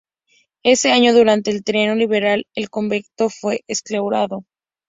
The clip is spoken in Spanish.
Ese año, durante el Trienio Liberal, el convento fue exclaustrado.